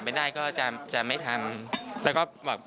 ไม่ได้ก็จะไม่ทำ